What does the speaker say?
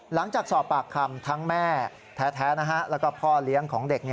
หลังจากสอบปากคำทั้งแม่แท้แล้วก็พ่อเลี้ยงของเด็ก